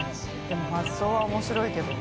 でも発想は面白いけど。